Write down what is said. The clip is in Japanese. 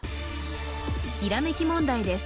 ひらめき問題です